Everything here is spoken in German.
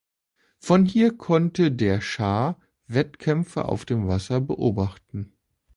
Von hier konnte der Schah Wettkämpfe auf dem Wasser beobachten.